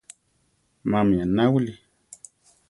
Mami anáwili?